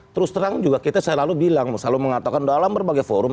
terus terang juga kita selalu bilang selalu mengatakan dalam berbagai forum